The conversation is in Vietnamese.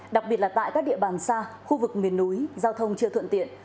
đặc biệt là tại các địa bàn xa khu vực miền núi giao thông chưa thuận tiện